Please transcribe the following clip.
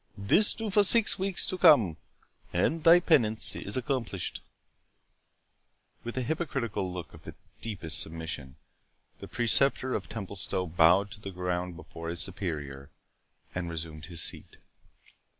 This do for six weeks to come, and thy penance is accomplished." With a hypocritical look of the deepest submission, the Preceptor of Templestowe bowed to the ground before his Superior, and resumed his seat.